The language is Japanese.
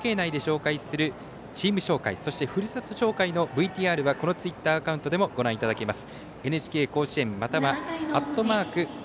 中継内で紹介するチーム紹介ふるさと紹介のＶＴＲはこのツイッターアカウントでもご覧いただけます。